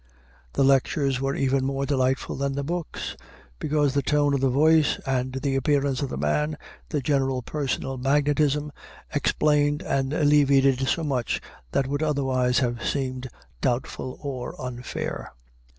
The lectures were even more delightful than the books, because the tone of the voice and the appearance of the man, the general personal magnetism, explained and alleviated so much that would otherwise have seemed doubtful or unfair.